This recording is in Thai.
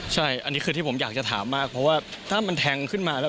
ใช่อันนี้คือที่ผมอยากจะถามมากเพราะว่าถ้ามันแทงขึ้นมาแล้ว